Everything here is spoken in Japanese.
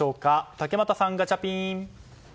竹俣さん、ガチャピン！